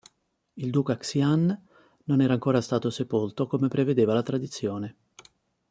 Il duca Xian non era ancora stato sepolto come prevedeva la tradizione.